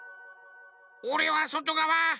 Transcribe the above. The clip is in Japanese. おれはそとがわ！